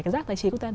rác tái chế của ta